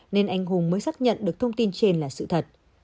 nên anh hùng mới xác nhận được thông tin trên là sự thật